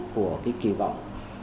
của cái kỳ vọng